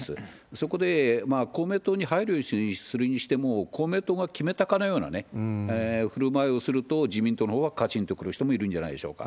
そこで公明党に配慮するにしても、公明党が決めたかのようなね、ふるまいをすると、自民党のほうはかちんとくる人もいるんじゃないでしょうか。